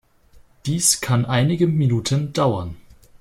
Dies kann einige Minuten dauern.